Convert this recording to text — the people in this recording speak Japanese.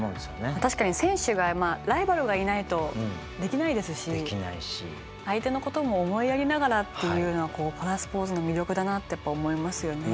確かに選手がライバルがいないとできないですし相手のことも思いやりながらっていうのがパラスポーツの魅力だなってやっぱ思いますよね。